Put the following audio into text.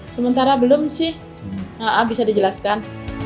sementara belum sih bisa dijelaskan